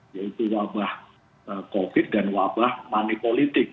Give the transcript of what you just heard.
yaitu wabah covid dan wabah manipolitik